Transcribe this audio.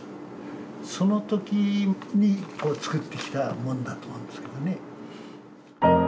その時に作ってきたもんだと思うんですけどね。